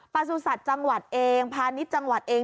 ประสุทธิ์จังหวัดเองพาณิชย์จังหวัดเอง